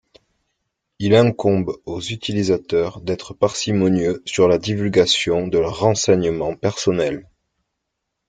Il incombe aux utilisateurs d'être parcimonieux sur la divulgation de leurs renseignements personnels.